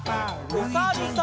おさるさん。